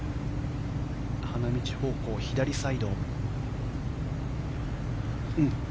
花道方向、左サイド。